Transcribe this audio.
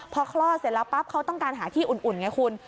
พอคลอดเสร็จแล้วปั๊บเขาต้องการหาที่อุ่นไงคุณ